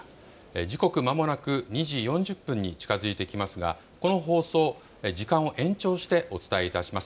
時刻まもなく２時４０分に近づいてきますが、この放送、時間を延長してお伝えいたします。